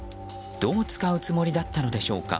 どう使うつもりだったのでしょうか。